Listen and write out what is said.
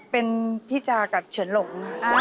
เป็นพี่จากับเฉินหลง